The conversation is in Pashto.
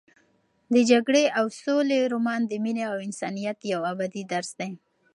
د جګړې او سولې رومان د مینې او انسانیت یو ابدي درس دی.